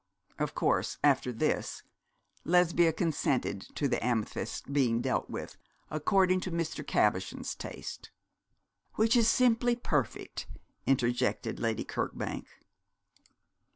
Of course, after this Lesbia consented to the amethysts being dealt with according to Mr. Cabochon's taste. 'Which is simply perfect,' interjected Lady Kirkbank.